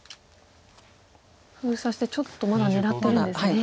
封鎖してちょっとまだ狙ってるんですね。